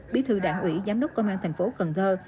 bí thư đảng ủy giám đốc công an thành phố cần thơ